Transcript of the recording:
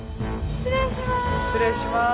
失礼します。